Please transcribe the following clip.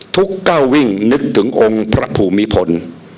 ก้าววิ่งนึกถึงองค์พระภูมิพล